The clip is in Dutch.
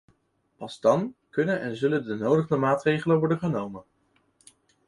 Pas dan kunnen en zullen de nodige maatregelen worden genomen.